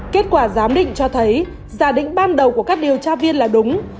kết quả giám định cho thấy giả định ban đầu của các điều tra viên là đúng